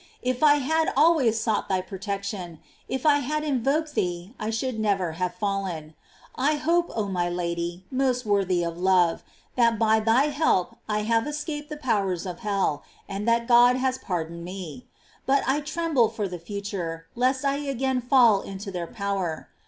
If I had always sought thy protection, if I had invoked thee, I should never have fallen. I hope, oh my Lady, most worthy of love, that by thy help I have escaped the powers of hell, and that God has pardoned me. But I tremble for the future, lest I again fall into their power.